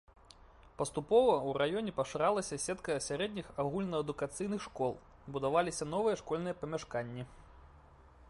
Паступова ў раёне пашыралася сетка сярэдніх агульнаадукацыйных школ, будаваліся новыя школьныя памяшканні.